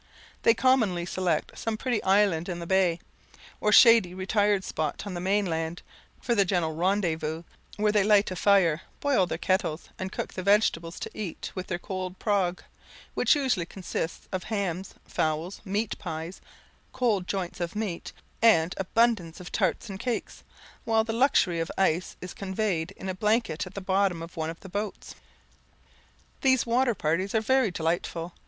They commonly select some pretty island in the bay, or shady retired spot on the main land, for the general rendezvous, where they light a fire, boil their kettles, and cook the vegetables to eat with their cold prog, which usually consists of hams, fowls, meat pies, cold joints of meat, and abundance of tarts and cakes, while the luxury of ice is conveyed in a blanket at the bottom of one of the boats. These water parties are very delightful.